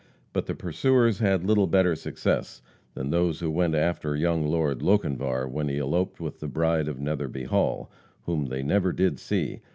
But the pursuers had little better success than those who went after young Lord Lochinvar when he eloped with the bride of Netherby Hall, whom "they never did see."